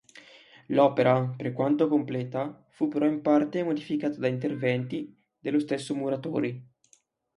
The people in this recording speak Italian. L'opera, per quanto completa, fu però in parte modificata da interventi dello stesso Muratori.